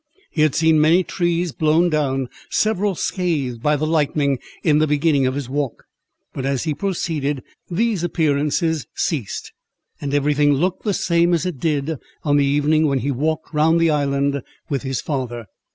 He had seen many trees blown down, several scathed by the lightning in the beginning of his walk; but as he proceeded, these appearances ceased, and every thing looked the same as it did on the evening when he walked round the island with his father.